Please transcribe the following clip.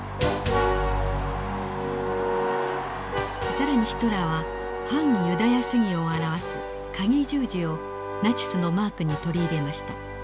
更にヒトラーは反ユダヤ主義を表す鉤十字をナチスのマークに取り入れました。